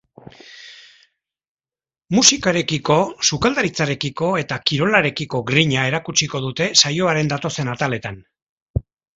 Musikarekiko, sukaldaritzarekiko eta kirolarekiko grina erakutsiko dute saioaren datozen ataletan.